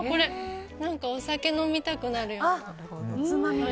お酒飲みたくなるような。